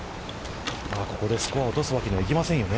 ここでスコアを落とすわけにはいきませんよね。